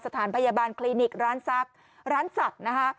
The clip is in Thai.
สถานพยาบาลคลินิกร้านสัตว์